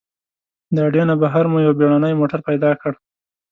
د اډې نه بهر مو یو بېړنی موټر پیدا کړ.